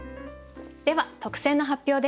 では特選の発表です。